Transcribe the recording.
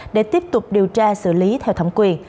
để tiếp tục điều tra xử lý theo thẩm quyền